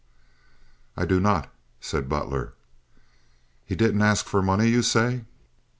"I do not," said Butler. "He didn't ask for money, you say?"